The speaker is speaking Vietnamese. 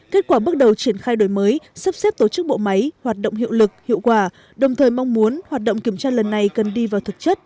kết quả bước đầu triển khai đổi mới sắp xếp tổ chức bộ máy hoạt động hiệu lực hiệu quả đồng thời mong muốn hoạt động kiểm tra lần này cần đi vào thực chất